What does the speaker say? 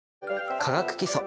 「化学基礎」